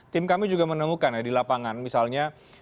tim kami juga menemukan ya di lapangan misalnya